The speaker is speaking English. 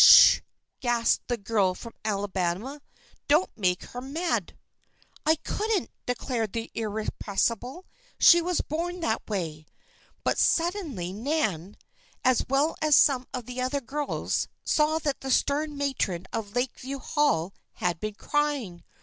"Sh h!" gasped the girl from Alabama. "Don't make her mad." "I couldn't," declared the irrepressible. "She was born that way." But suddenly Nan, as well as some of the other girls, saw that the stern matron of Lakeview Hall had been crying.